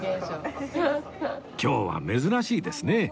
今日は珍しいですね